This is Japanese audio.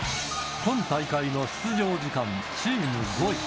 今大会の出場時間チーム５位。